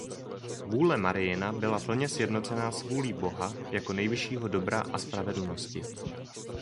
Vůle Mariina byla plně sjednocená s vůli Boha jako nejvyššího dobra a spravedlnosti.